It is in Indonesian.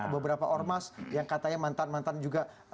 beberapa ormas yang katanya mantan mantan juga